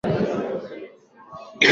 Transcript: katika eneo hilo hilo mwishoni mwaka jana